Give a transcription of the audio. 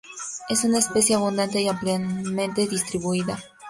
Es una especie abundante y ampliamente distribuida.